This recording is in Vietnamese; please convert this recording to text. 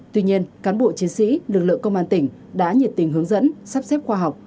tuy nhiên cán bộ chiến sĩ lực lượng công an tỉnh đã nhiệt tình hướng dẫn sắp xếp khoa học